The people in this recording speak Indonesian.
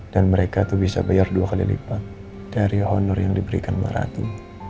dan mereka tuh bisa bayar dua kali lipat dari honor yang diberikan maharatu